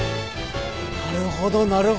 なるほどなるほど。